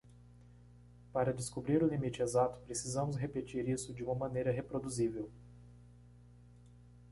Para descobrir o limite exato?, precisamos repetir isso de uma maneira reproduzível.